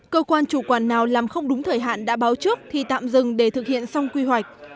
cơ quan chủ quản nào làm không đúng thời hạn đã báo trước thì tạm dừng để thực hiện xong quy hoạch